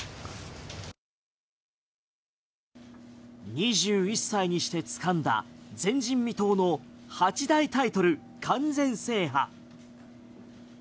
２１歳にしてつかんだ前人未到の八大タイトル完全制覇。